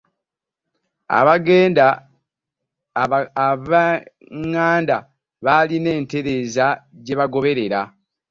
Abanganda baalina enteereza gye baagobereranga.